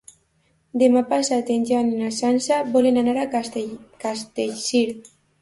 Demà passat en Jan i na Sança volen anar a Castellcir.